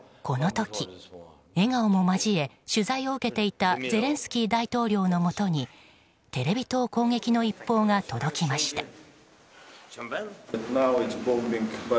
この時、笑顔も交え取材を受けていたゼレンスキー大統領のもとにテレビ塔攻撃の一報が届きました。